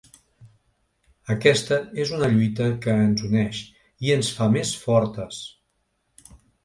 Aquesta és una lluita que ens uneix i ens fa més fortes.